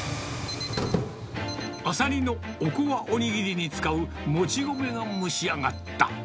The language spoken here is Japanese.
アサリのおこわお握りに使うもち米が蒸し上がった。